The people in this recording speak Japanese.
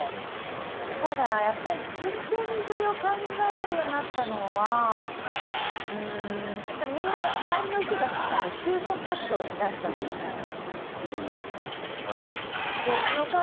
ただやっぱり真剣に女優を考えるようになったのはやっぱりみんなが周りの人が就職活動しだしたときかな。